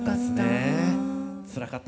つらかった。